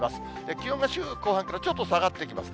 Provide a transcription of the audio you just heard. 気温が週の後半からちょっと下がってきますね。